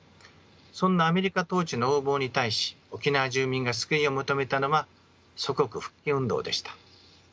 そんなアメリカ統治の横暴に対し沖縄住民が救いを求めたのは祖国復帰運動でした。